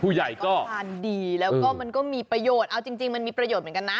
ผู้ใหญ่ก็ทานดีแล้วก็มันก็มีประโยชน์เอาจริงมันมีประโยชน์เหมือนกันนะ